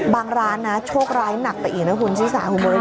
บางร้านนะโชคร้ายหนักไปอีกนะคุณศิษย์สาหัวบริษฐ์